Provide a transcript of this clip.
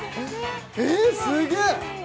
えすげえ！